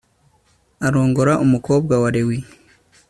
arongora umukobwa wa lewi